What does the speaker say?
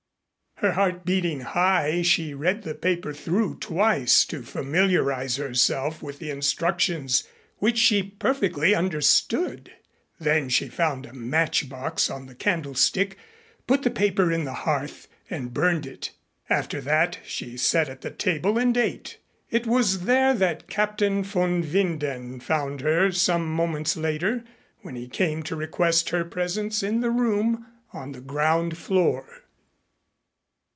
Her heart beating high, she read the paper through twice to familiarize herself with the instructions which she perfectly understood. Then she found a matchbox on the candlestick, put the paper in the hearth and burned it. After that she sat at the table and ate. It was there that Captain von Winden found her some moments later when he came to request her presence in the room on the ground floor.